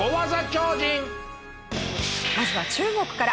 まずは中国から。